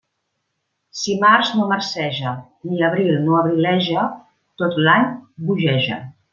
Si març no marceja, ni abril no abrileja, tot l'any bogeja.